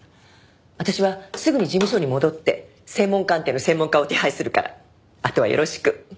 私はすぐに事務所に戻って声紋鑑定の専門家を手配するからあとはよろしく。